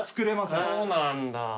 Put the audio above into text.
そうなんだ。